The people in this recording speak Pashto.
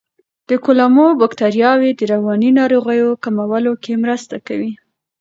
د کولمو بکتریاوې د رواني ناروغیو کمولو کې مرسته کوي.